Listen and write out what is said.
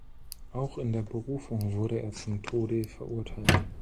Auch in der Berufung wurde er zum Tode verurteilt.